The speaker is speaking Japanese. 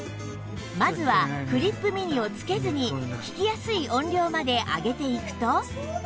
続いてはクリップ・ミニをつけて聞きやすい音量まで上げていくと